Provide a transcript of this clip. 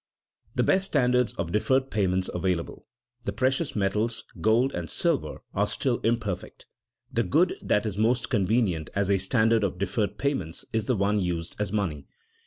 The best standards of deferred payments available the precious metals, gold and silver are still imperfect. The good that is most convenient as a standard of deferred payments is the one used as money.